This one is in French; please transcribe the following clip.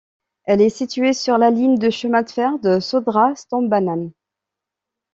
Elle est située sur la ligne de chemin de fer Södra stambanan.